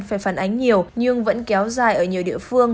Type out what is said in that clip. phải phản ánh nhiều nhưng vẫn kéo dài ở nhiều địa phương